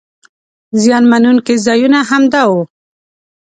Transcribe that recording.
زیان مننونکي ځایونه همدا وو.